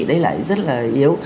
đây là rất là yếu